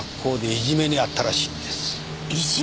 いじめ？